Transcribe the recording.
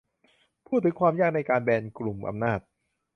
พูดถึงความยากในการแบนกลุ่มอำนาจ